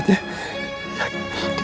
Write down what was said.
ya kita ke rumah sakit